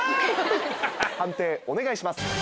判定お願いします。